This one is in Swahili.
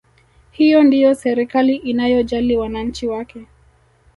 Hiyo ndiyo serikali inayojali wananchi wake